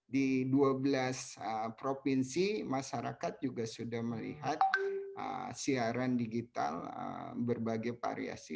di dua belas provinsi masyarakat juga sudah melihat siaran digital berbagai variasi